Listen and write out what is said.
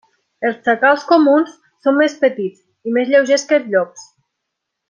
Els xacals comuns són més petits i més lleugers que els llops.